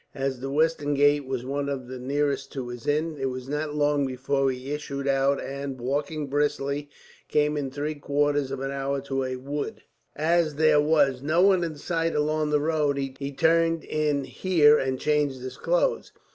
As the western gate was the one nearest to his inn, it was not long before he issued out and, walking briskly, came in three quarters of an hour to a wood. As there was no one in sight along the road, he turned in here and changed his clothes.